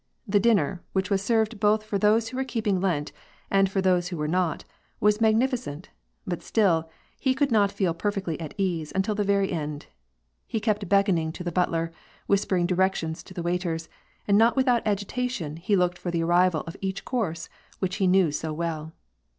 The dinner, which was served both for those who were keeping Lent and for those who were not, was magniiicenty bat still, he could not feel per fectly at ease until the very end. He kept beckoning to the butler, whispering directions to the waiters, and not without agitation, looked for'the arrival of each course which he knew so well.